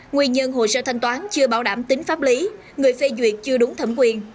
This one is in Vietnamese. nguyên nhân hồ sơ thanh toán chưa bảo đảm tính pháp lý người phê duyệt chưa đúng thẩm quyền